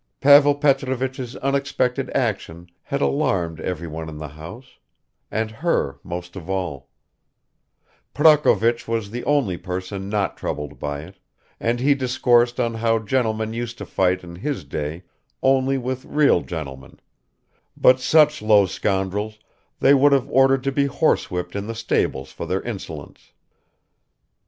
Pavel Petrovich's unexpected action had alarmed everyone in the house, and her most of all; Prokovich was the only person not troubled by it, and he discoursed on how gentlemen used to fight in his day only with real gentlemen, but such low scoundrels they would have ordered to be horsewhipped in the stables for their insolence.